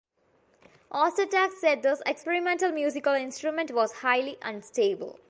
Ostertag said this experimental musical instrument was "highly unstable".